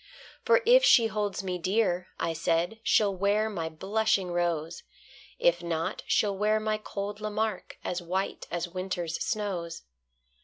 For if she holds me dear, I said, She'll wear my blushing rose; If not, she'll wear my cold Lamarque, As white as winter's snows.